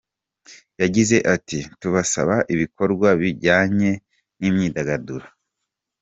Yagize ati :”Tubasaba ibikorwa bijyanye n’imyidagaduro.